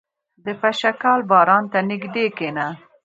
• د پشکال باران ته نږدې کښېنه.